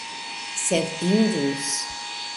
Sed indus!